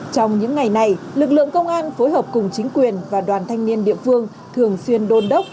trong những ngày này lực lượng công an phối hợp cùng chính quyền và đoàn thanh niên địa phương thường xuyên đôn đốc